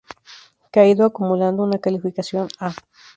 Que ha ido acumulando una calificación A".